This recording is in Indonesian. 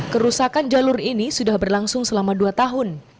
kerusakan jalur ini sudah berlangsung selama dua tahun